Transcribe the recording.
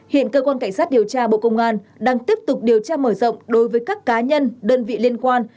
hiện cơ quan cảnh sát điều tra bộ công an đang tiếp tục điều tra mở rộng đối với các cá nhân đơn vị liên quan